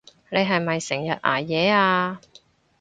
你係咪成日捱夜啊？